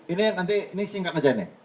ini nanti singkat aja ini